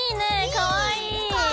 かわいい！